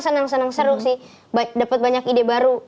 senang senang seru sih dapat banyak ide baru